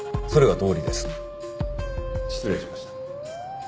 失礼しました。